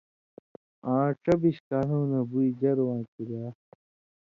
آں ڇبیش کالؤں نہ بُوی ژرہۡ واں کِریا